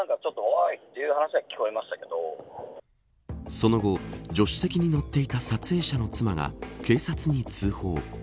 その後、助手席に乗っていた撮影者の妻が警察に通報。